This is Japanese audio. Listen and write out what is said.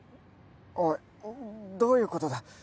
おいどういうことだ？